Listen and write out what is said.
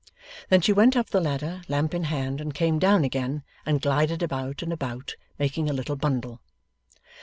Then she went up the ladder, lamp in hand, and came down again, and glided about and about, making a little bundle.